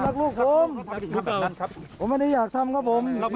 อยากพูดอะไรถึงเมียบ้างครับ